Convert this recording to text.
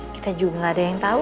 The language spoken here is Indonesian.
kita juga gak ada yang tau